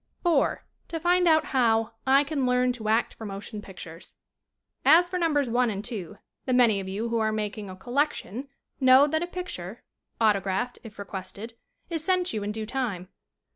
4. To find out how "I can learn to act for motion pictures." As for Numbers 1 and 2, the many of you who are making a "collection" know that a pic ture, autographed if requested, is sent you in due time.